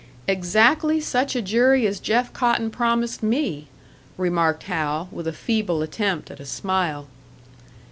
"Exactly such a jury as Jeff Cotton promised me!" remarked Hal, with a feeble attempt at a smile.